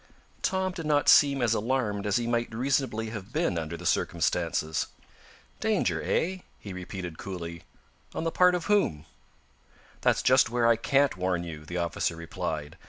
Tom did not seem as alarmed as he might reasonably have been under the circumstances. "Danger, eh?" he repeated coolly. "On the part of whom?" "That's just where I can't warn you," the officer replied.